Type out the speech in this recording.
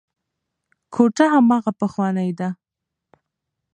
کوټه هماغه پخوانۍ ده.